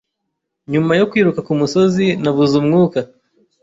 Nyuma yo kwiruka kumusozi, nabuze umwuka.